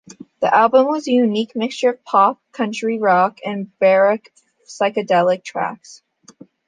The album was a unique mixture of pop, country rock and baroque psychedelic tracks.